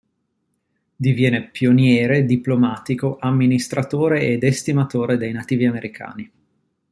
Diviene pioniere, diplomatico, amministratore ed estimatore dei nativi americani.